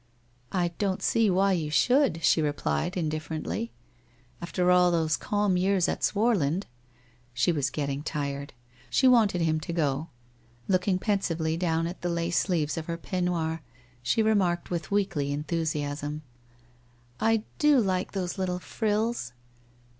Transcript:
'' I don't see why you should ?' she replied indifferently. ' After all those calm years at Swarland !' She was get ting tired. She wanted him to go. Looking pensively down at the lace sleeves of her peignoir, she remarked with weakly enthusiasm : 1 I (lo like those little frills